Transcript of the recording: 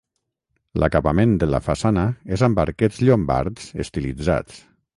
L'acabament de la façana és amb arquets llombards estilitzats.